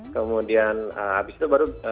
kemudian habis itu baru